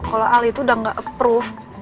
kalo al itu udah gak approve